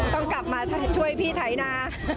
ต้องกลับมาช่วยพี่ไถนา